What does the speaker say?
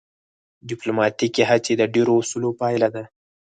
ډیپلوماتیکې هڅې د ډیرو اصولو پایله ده